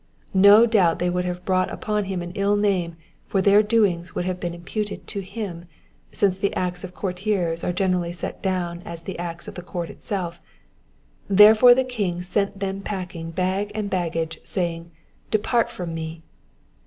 No doubt ihey would have brought upon him an ill name, for their doings would have been imputed to him, smce the acts of courtiers are generally set down as acts of the court itself ; therefore the king sent them packing bag and ^*ggage> saying, —*'*' Depart from me.